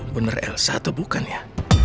benar elsa atau bukan ya